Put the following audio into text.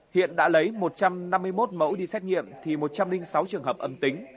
hiện đã lấy một trăm năm mươi một mẫu đi xét nghiệm thì một trăm linh sáu trường hợp âm tính